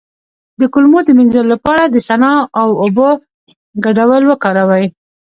د کولمو د مینځلو لپاره د سنا او اوبو ګډول وکاروئ